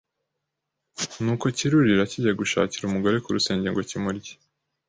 Ni uko kirurira kigiye gushakira umugore ku rusenge ngo kimurye